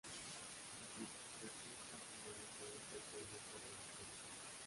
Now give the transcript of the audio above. Su clasificación taxonómica está actualmente en revisión.